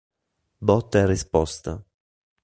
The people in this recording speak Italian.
Botta e risposta